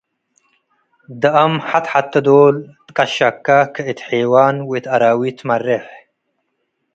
ደአም ሐት-ሐቴ ዶል ትቀሸከ ከእት ሔዋን ወእት አራዊት ትመሬሕ።